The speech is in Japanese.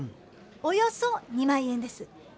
およそ２万円です。